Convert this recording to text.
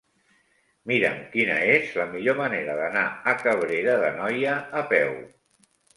Mira'm quina és la millor manera d'anar a Cabrera d'Anoia a peu.